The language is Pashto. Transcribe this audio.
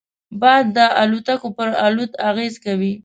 باد د الوتکو پر الوت اغېز کوي